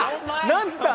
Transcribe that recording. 何つった？